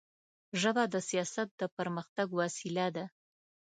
ژبه د سیاست د پرمختګ وسیله ده